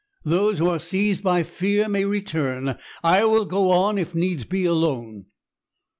"Those who are seized by fear may return. I will go on, if needs be, alone."